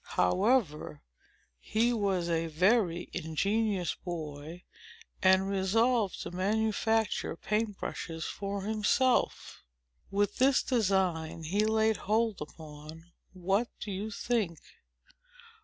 However, he was a very ingenious boy, and resolved to manufacture paint brushes for himself. With this design, he laid hold upon—what do you think?